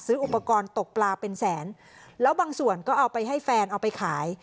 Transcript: อุปกรณ์ตกปลาเป็นแสนแล้วบางส่วนก็เอาไปให้แฟนเอาไปขาย